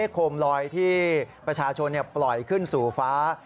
โคมลอยที่ประชาชนปล่อยขึ้นสู่ฟ้า